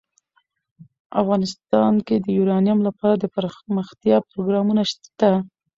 افغانستان کې د یورانیم لپاره دپرمختیا پروګرامونه شته.